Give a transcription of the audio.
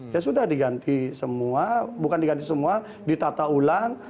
ya sudah diganti semua bukan diganti semua ditata ulang